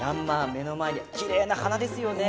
目の前にきれいな花ですよね！